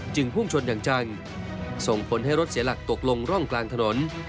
พุ่งชนอย่างจังส่งผลให้รถเสียหลักตกลงร่องกลางถนน